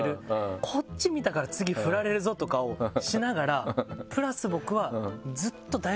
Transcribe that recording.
こっち見たから次振られるぞとかをしながらプラス僕は。